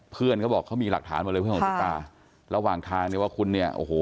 เพื่อนเขาบอกเขามีหลักฐานมาเลยค่ะระหว่างทางเนี้ยว่าคุณเนี้ยโอ้โห